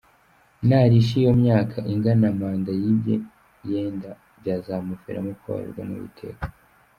Narisha iyo myaka ingana manda yibye yenda byazamuviramo kubabarirwa n’Uwiteka!